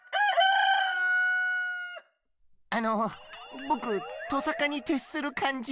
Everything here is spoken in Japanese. あのぼくとさかにてっするかんじ？